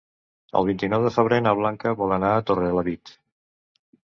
El vint-i-nou de febrer na Blanca vol anar a Torrelavit.